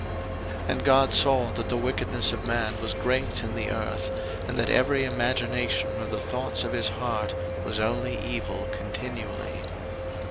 01:006:005 And God saw that the wickedness of man was great in the earth, and that every imagination of the thoughts of his heart was only evil continually.